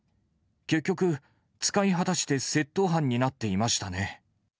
結局、使い果たして、窃盗犯になっていましたね。